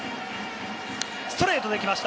ストレートで来ました。